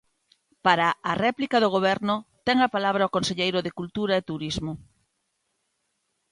Para a réplica do Goberno, ten a palabra o conselleiro de Cultura e Turismo.